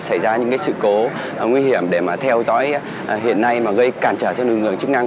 xảy ra những sự cố nguy hiểm để mà theo dõi hiện nay mà gây cản trở cho lực lượng chức năng